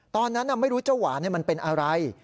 ตอนนั้นไม่รู้เจ้าหวานมันเป็นอะไร